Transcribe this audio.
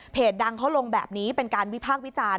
ดังเขาลงแบบนี้เป็นการวิพากษ์วิจารณ์